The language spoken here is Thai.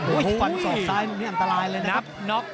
อุ้ยฝันสอบซ้ายหนึ่งนี่อันตรายเลยนะครับ